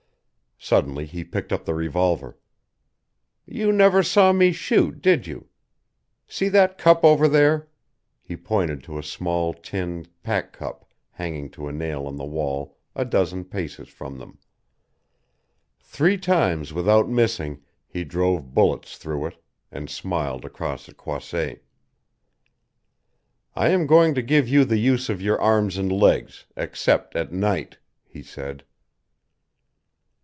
Suddenly he picked up the revolver. "You never saw me shoot, did you? See that cup over there?" He pointed to a small tin pack cup hanging to a nail on the wall a dozen paces from them. Three times without missing he drove bullets through it, and smiled across at Croisset. "I am going to give you the use of your arms and legs, except at night," he said.